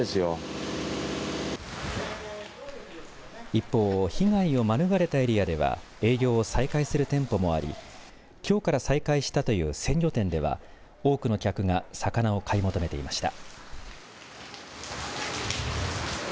一方被害を免れたエリアでは営業を再開する店舗もありきょうから再開したという鮮魚店では多くの客が魚を買い求めていました。